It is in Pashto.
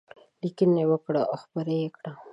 لیکنې وکړه او خپرې یې کړه.